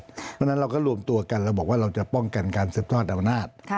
เพราะฉะนั้นเราก็รวมตัวกันเราบอกว่าเราจะป้องกันการสืบทอดอำนาจ